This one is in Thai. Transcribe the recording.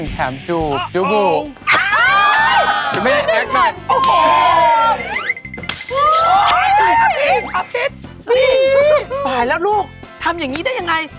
นี่ตายแล้วลูกทำอย่างนี้ได้ยังไง